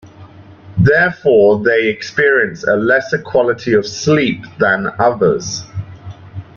Therefore, they experience a lesser quality of sleep than others.